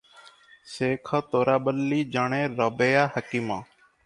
ସେଖ ତୋରାବଲ୍ଲି ଜଣେ ରବେୟା ହାକିମ ।